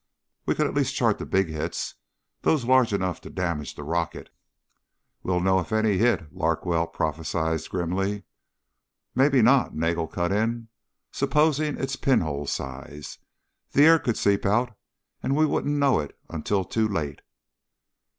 "We could at least chart the big hits those large enough to damage the rocket." "We'll know if any hit," Larkwell prophesied grimly. "Maybe not;" Nagel cut in. "Supposing it's pinhole size? The air could seep out and we wouldn't know it until too late."